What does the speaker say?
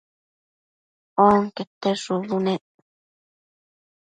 onquete shubu nec